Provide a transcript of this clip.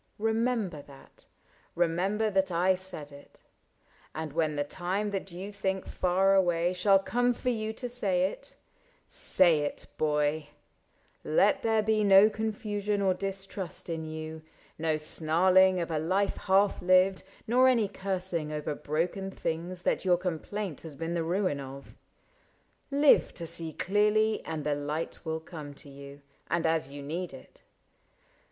Remember that : remember that I said it ; And when the time that you think far away Shall come for you to say it — say it, boy i Let there be no confusion or distrust ISAAC AND ARCHIBALD 97 In you, no snarling of a life half lived, Nor any cursing over broken things That your complaint has been the ruin of. Live to see clearly and the light will come To you, and as you need it.